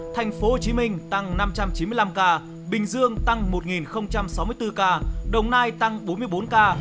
tp hcm tăng năm trăm chín mươi năm ca bình dương tăng một sáu mươi bốn ca đồng nai tăng bốn mươi bốn ca